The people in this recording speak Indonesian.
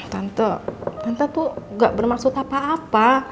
tante tuh gak bermaksud apa apa